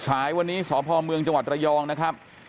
สายวันนี้สพเมืองจังหวัดระยองนะครับ